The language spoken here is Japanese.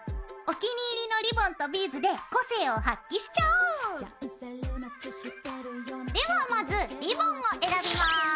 お気に入りのリボンとビーズで個性を発揮しちゃおう！ではまずリボンを選びます。